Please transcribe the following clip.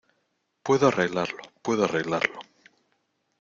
puedo arreglarlo. puedo arreglarlo .